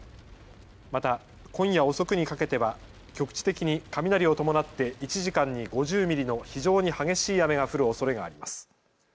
また今夜遅くにかけては局地的に雷を伴って１時間に５０ミリの非常に激しい雨が降るおそれがあります。